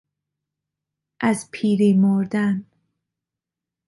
از پیری مردن